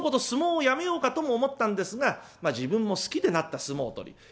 相撲をやめようかとも思ったんですが自分も好きでなった相撲取り。